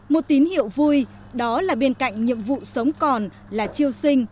một tín hiệu vui đó là bên cạnh nhiệm vụ sống còn là triêu sinh